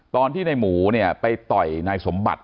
ตอนที่ในหมูเนี่ยไปต่อยนายสมบัติ